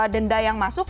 denda yang masuk